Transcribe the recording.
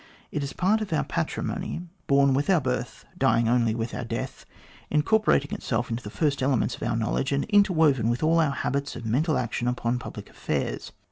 It is part of our patrimony, born with our birth, dying only with our death, incorporating itself in the first elements of our knowledge, and interwoven with all our habits of mental action upon public affairs.